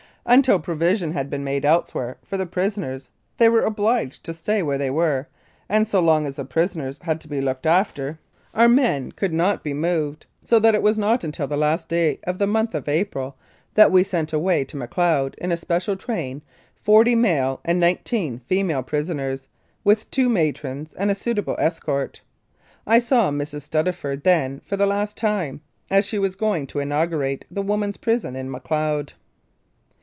.Until provision had been made elsewhere for the prisoners they were obliged to stay where they were, and so long as the prisoners had to be looked after, our men 129 Mounted Police Life in Canada could not be moved, so that it was not until the last day of the month of April that we sent away to Macleod, in a special train, forty male and nineteen female prisoners, with two matrons and a suitable escort. I saw Mrs. Stuttaford then for the last time, as she was going to inaugurate the women's prison in Macleod.